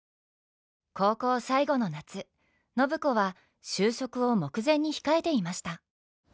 高校最後の夏暢子は就職を目前に控えていました。